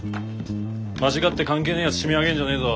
間違って関係ねえやつ締め上げんじゃねえぞ。